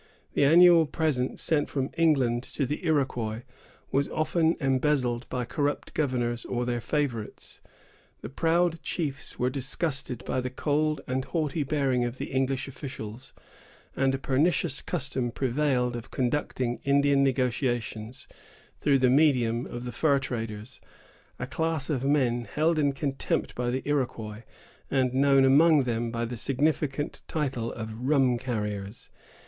The annual present sent from England to the Iroquois was often embezzled by corrupt governors or their favorites. The proud chiefs were disgusted by the cold and haughty bearing of the English officials, and a pernicious custom prevailed of conducting Indian negotiations through the medium of the fur traders, a class of men held in contempt by the Iroquois, and known among them by the significant title of "rum carriers."